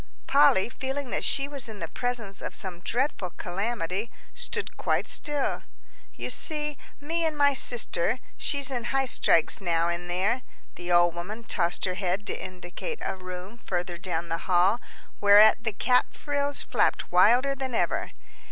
Polly, feeling that she was in the presence of some dreadful calamity, stood quite still. "You see, me and my sister she's in highstrikes now in there." The old woman tossed her head to indicate a room further down the hall, whereat the cap frills flapped wilder than ever.